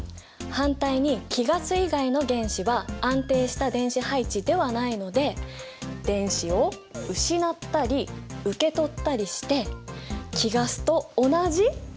反対に貴ガス以外の原子は安定した電子配置ではないので電子を失ったり受け取ったりして貴ガスと同じ？